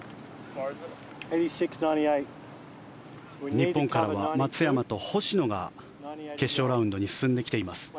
日本からは松山と星野が決勝ラウンドに進んできています。